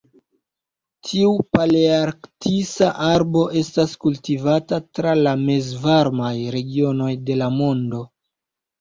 Tiu palearktisa arbo estas kultivata tra la mezvarmaj regionoj de la mondo.